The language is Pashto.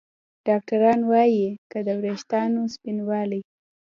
ډاکتران وايي که د ویښتانو سپینوالی